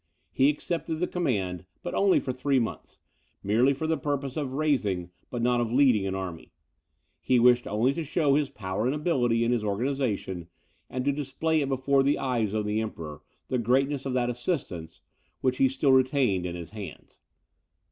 He accepted the command, but only for three months; merely for the purpose of raising, but not of leading, an army. He wished only to show his power and ability in its organization, and to display before the eyes of the Emperor, the greatness of that assistance, which he still retained in his hands.